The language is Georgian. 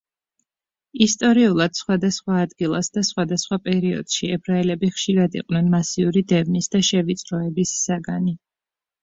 ისტორიულად, სხვადასხვა ადგილას და სხვადასხვა პერიოდში ებრაელები ხშირად იყვნენ მასიური დევნის და შევიწროების საგანი.